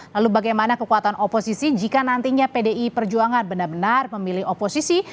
lalu bagaimana kekuatan oposisi jika nantinya pdi perjuangan benar benar memilih oposisi